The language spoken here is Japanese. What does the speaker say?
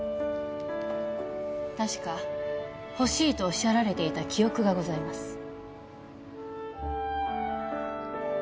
確か欲しいとおっしゃられていた記憶がございますあああ！